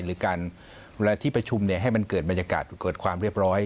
หรือการเวลาที่ประชุมให้มันเกิดบรรยากาศเกิดความเรียบร้อย